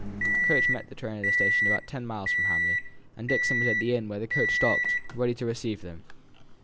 A coach met the train at a station about ten miles from Hamley, and Dixon was at the inn where the coach stopped, ready to receive them.